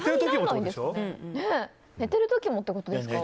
寝てる時もってことですか。